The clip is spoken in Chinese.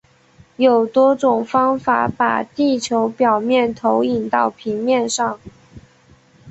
有多种方法把地球表面投影到平面上。